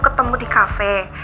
ketemu di kafe